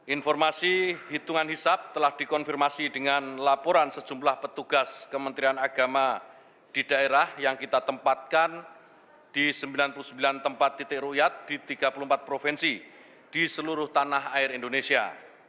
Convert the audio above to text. informasi hitungan hisap telah dikonfirmasi dengan laporan sejumlah petugas kementerian agama di daerah yang kita tempatkan di sembilan puluh sembilan tempat titik rukyat di tiga puluh empat provinsi di seluruh tanah air indonesia